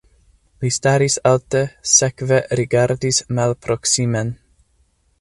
Li staris alte, sekve rigardis malproksimen.